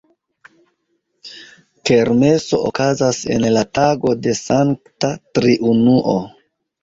Kermeso okazas en la tago de Sankta Triunuo.